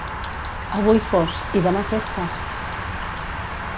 Avui fos, i demà festa!